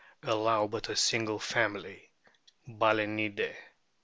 allow but a single family Balaenidae.